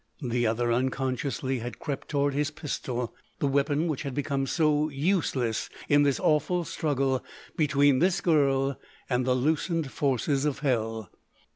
The other, unconsciously, had crept toward his pistol—the weapon which had become so useless in this awful struggle between this girl and the loosened forces of hell.